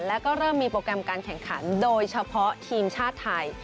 แล้วก็เริ่มมีโปรแกรมการแข่งขันโดยเฉพาะทีมชาติไทย